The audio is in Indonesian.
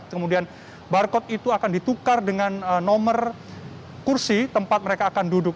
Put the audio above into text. kemudian barcode itu akan ditukar dengan nomor kursi tempat mereka akan duduk